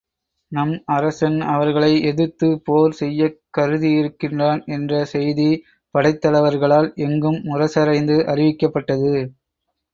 நம் அரசன் அவர்களை எதிர்த்துப் போர் செய்யக் கருதியிருக்கின்றான் என்ற செய்தி படைத் தலைவர்களால் எங்கும் முரசறைந்து அறிவிக்கப்பட்டது.